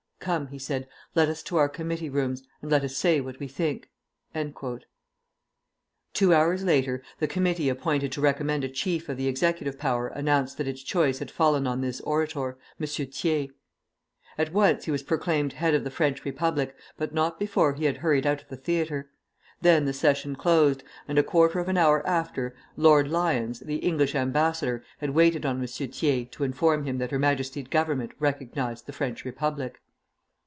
'Come,' he said, 'let us to our committee rooms, and let us say what we think.'" Two hours later, the committee appointed to recommend a chief of the executive power announced that its choice had fallen on this orator, M. Thiers. At once he was proclaimed head of the French Republic, but not before he had hurried out of the theatre. Then the session closed, and a quarter of an hour after, Lord Lyons, the English ambassador, had waited on M. Thiers to inform him that Her Majesty's Government recognized the French Republic.